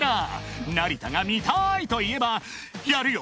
［成田が「見たい」と言えばやるよ！